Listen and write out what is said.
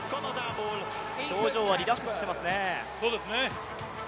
表情はリラックスしていますね。